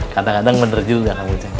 kadang kadang bener juga kamu tuh